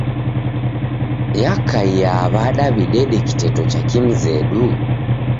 Yakaia w'ada w'idede kiteto cha kimzedu?